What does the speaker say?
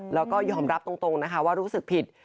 แล้วก็ยอมรับตรงนะคะว่ารู้สึกผิด